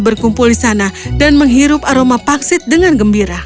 dan mereka telah berkumpul di sana dan menghirup aroma pangsit dengan gembira